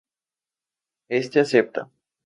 Éste acepta.